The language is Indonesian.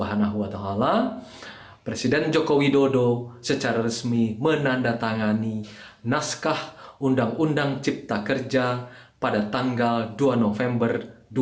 presiden joko widodo secara resmi menandatangani naskah undang undang cipta kerja pada tanggal dua november dua ribu dua puluh